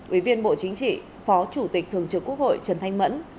ủy viên bộ chính trị phó chủ tịch thường trực quốc hội trần thanh mẫn